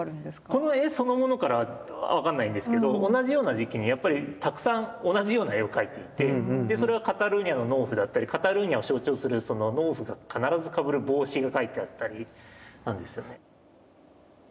この絵そのものからは分かんないんですけど同じような時期にやっぱりたくさん同じような絵を描いていてそれがカタルーニャの農夫だったりカタルーニャを象徴する農夫が必ずかぶる帽子が描いてあったりなんですよね。